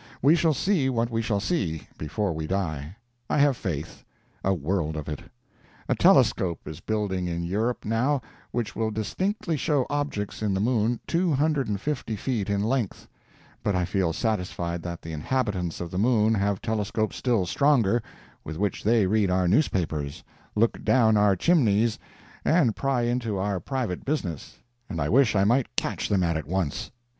We shall see what we shall see, before we die. I have faith—a world of it. A telescope is building in Europe, now, which will distinctly show objects in the moon two hundred and fifty feet in length, but I feel satisfied that the inhabitants of the moon have telescopes still stronger, with which they read our newspapers, look down our chimneys and pry into our private business—and I wish I might catch them at it once.